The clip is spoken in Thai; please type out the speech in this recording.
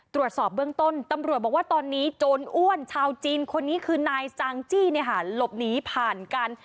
ตรวจสอบเบื้องต้นตำรวจบอกว่าตอนนี้โจรอ้วนชาวจีนคนนี้คือนายจางจี้หลบหนีผ่านกัน